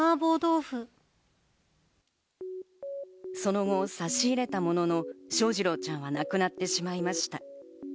その後、差し入れたものの翔士郎ちゃんは亡くなってしまいました。